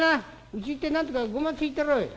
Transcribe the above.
うち行ってなんとかごまついてろい。